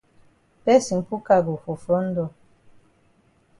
Person put cargo for front door.